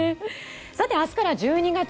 さて、明日から１２月。